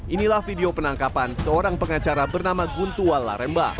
inilah video penangkapan seorang pengacara bernama guntual laremba